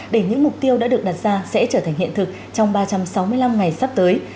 để những mục tiêu đã được đặt ra sẽ trở thành hiện thực trong ba trăm sáu mươi năm ngày sắp tới